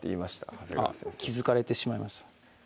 長谷川先生気付かれてしまいました？